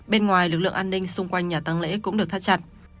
bên ngoài lực lượng an ninh xung quanh nhà tăng lễ cũng được thắt chặt